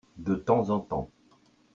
De temps en temps.